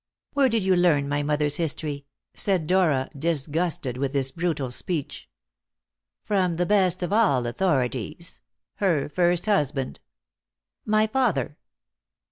"Where did you learn my mother's history?" said Dora, disgusted with this brutal speech. "From the best of all authorities her first husband." "My father?"